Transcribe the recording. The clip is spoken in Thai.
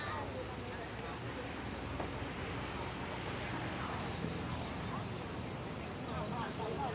สวัสดีสวัสดีสวัสดี